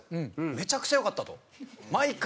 めちゃくちゃ良かったと毎回。